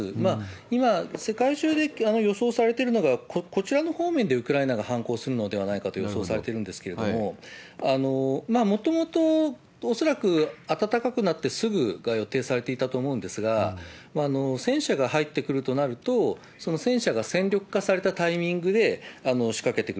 今、世界中で予想されているのが、こちらの方面でウクライナが反攻するのではないかと予想されているんですけれども、もともと、恐らく暖かくなってすぐが予定されていたと思うんですが、戦車が入ってくるとなると、その戦車が戦力化されたタイミングで仕掛けてくる。